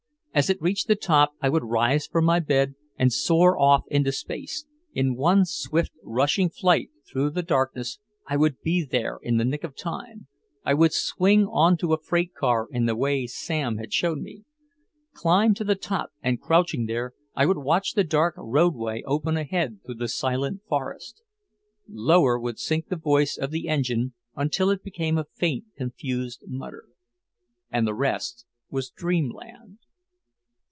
As it reached the top I would rise from my bed and soar off into space, in one swift rushing flight through the darkness I would be there in the nick of time, I would swing on to a freight car in the way Sam had shown me, climb to the top and crouching there I would watch the dark roadway open ahead through the silent forest. Lower would sink the voice of the engine until it became a faint confused mutter. And the rest was dreamland.